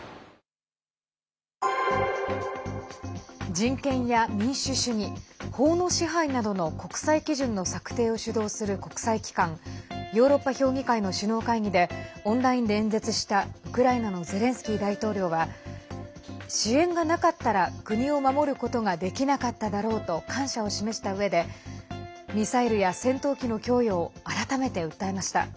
人権や民主主義法の支配などの国際基準の策定を主導する国際機関ヨーロッパ評議会の首脳会議でオンラインで演説したウクライナのゼレンスキー大統領は支援がなかったら国を守ることができなかっただろうと感謝を示したうえで、ミサイルや戦闘機の供与を改めて訴えました。